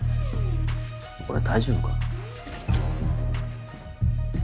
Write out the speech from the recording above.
俺大丈夫か？